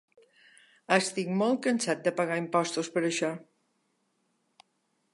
Estic molt cansat de pagar impostos per això!